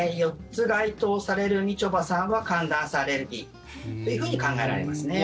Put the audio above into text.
４つ該当されるみちょぱさんは寒暖差アレルギーというふうに考えられますね。